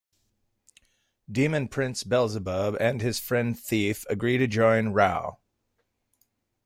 Demon prince Beelzebub and his friend Thief agree to join Rao.